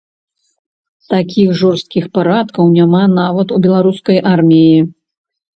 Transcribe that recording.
Такіх жорсткіх парадкаў няма нават у беларускай арміі!